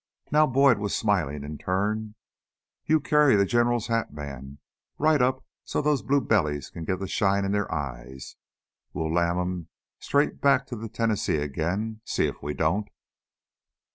Now Boyd was smiling in turn. "You carry the General's hatband right up so those blue bellies can get the shine in their eyes! We'll lam 'em straight back to the Tennessee again see if we don't!"